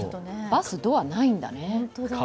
バス、ドア、ないんだね。